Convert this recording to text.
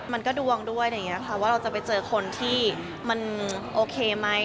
มันก็ดวงด้วยว่าเราจะไปเจอคนที่มันโอเคไหม